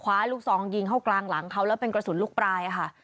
ลูกซองยิงเข้ากลางหลังเขาแล้วเป็นกระสุนลูกปลายค่ะ